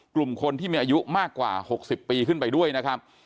กลุ่มคนที่มีอายุมากกว่า๖๐ปีขึ้นไปด้วยนะครับ